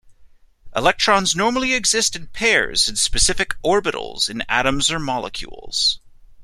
Electrons normally exist in pairs in specific orbitals in atoms or molecules.